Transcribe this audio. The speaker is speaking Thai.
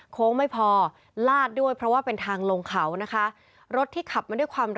โค้งไม่พอลาดด้วยเพราะว่าเป็นทางลงเขานะคะ